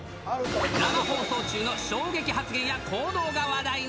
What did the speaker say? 生放送中の衝撃発言や行動が話題に。